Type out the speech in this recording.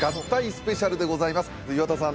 スペシャルでございます岩田さん